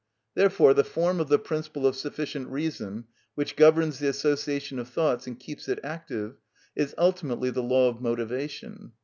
Therefore the form of the principle of sufficient reason which governs the association of thoughts and keeps it active is ultimately the law of motivation.